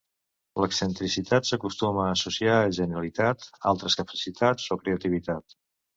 L'excentricitat s'acostuma a associar a genialitat, altes capacitats o creativitat.